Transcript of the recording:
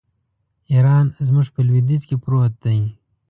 ایران زموږ په لوېدیځ کې پروت دی.